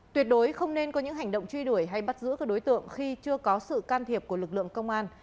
tuyệt đối không nên có những hành động truy đuổi hay bắt giữ các đối tượng khi chưa có sự can thiệp của lực lượng công an